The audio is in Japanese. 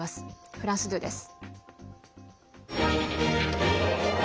フランス２です。